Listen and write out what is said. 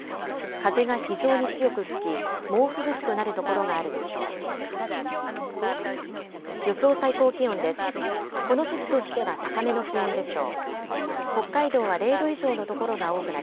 風が非常に強く吹き、猛吹雪となる所があるでしょう。